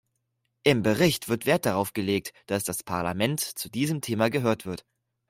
Im Bericht wird Wert darauf gelegt, dass das Parlament zu diesem Thema gehört wird.